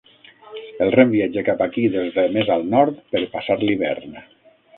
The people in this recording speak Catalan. El ren viatja cap aquí des de més al nord per passar l'hivern.